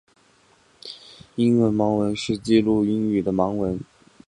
英语盲文是记录英语的盲文。